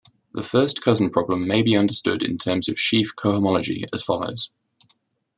The first Cousin problem may be understood in terms of sheaf cohomology as follows.